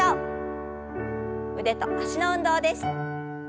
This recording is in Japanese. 腕と脚の運動です。